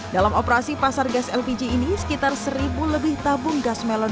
dalam operasi pasar gas lpg ini sekitar seribu lebih tabung gas melon